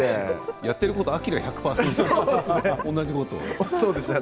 やっていることはアキラ１００％と同じことを。